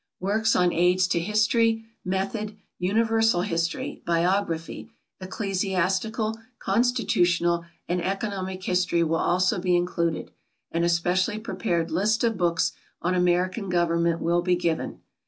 Works on aids to history, method, universal history, biography, ecclesiastical, constitutional and economic history will also be included, and a specially prepared list of books on American government will be given.